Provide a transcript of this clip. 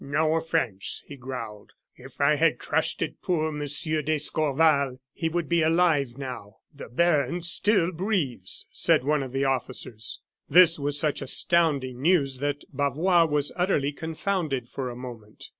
"No offence," he growled. "If I had trusted poor Monsieur d'Escorval, he would be alive now." "The baron still breathes," said one of the officers. This was such astounding news that Bavois was utterly confounded for a moment.